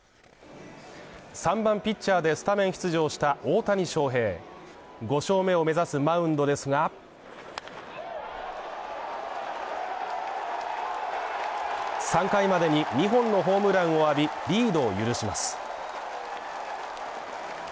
３番ピッチャーでスタメン出場した大谷翔平５勝目を目指すマウンドですが３回までに２本のホームランを浴び、リードを許します。